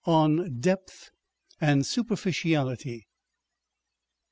On Depth and Superficiality.